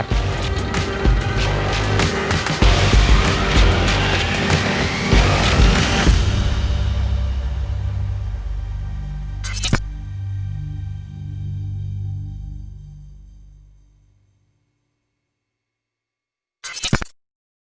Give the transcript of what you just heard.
สวัสดีครับ